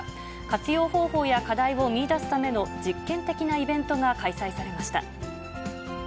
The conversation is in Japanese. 活用方法や課題を見いだすための実験的なイベントが開催されました。